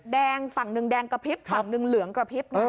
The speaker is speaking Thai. แดงฝั่งหนึ่งแดงกระพริบฝั่งหนึ่งเหลืองกระพริบ